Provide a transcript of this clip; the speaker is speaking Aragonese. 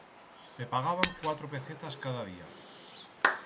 Me pagaban cuatro pecetas cada día.